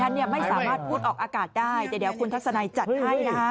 ไม่สามารถพูดออกอากาศได้แต่เดี๋ยวคุณทัศนัยจัดให้นะคะ